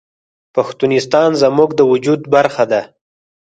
پښتونستان زموږ د وجود برخه ده